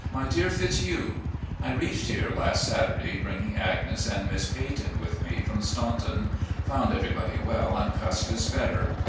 *'My Dear Fitzhugh: I reached here last Saturday, bringing Agnes and Miss Pe3rton with me from Staimton. Found everybody well and Custis better.